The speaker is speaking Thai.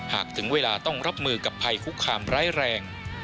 ถึงเวลาต้องรับมือกับภัยคุกคามร้ายแรง